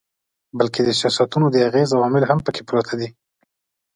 بلکي د سياستونو د اغېز عوامل هم پکښې پراته دي